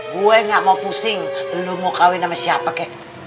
gue gak mau pusing lo mau kawin sama siapa kek